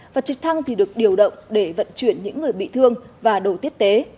và trực thăng thì được điều động để vận chuyển những người bị thương và đổ tiết tế